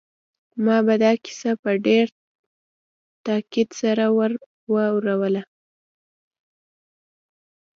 ما به دا کیسه په ډېر تاکید سره ور اوروله